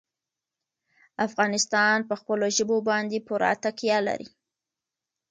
افغانستان په خپلو ژبو باندې پوره تکیه لري.